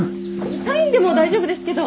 サインでも大丈夫ですけど。